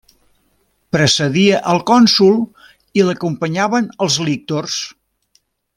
Precedia al cònsol i l'acompanyaven els lictors.